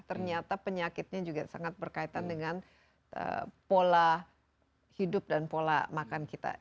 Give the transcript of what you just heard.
ternyata penyakitnya juga sangat berkaitan dengan pola hidup dan pola makan kita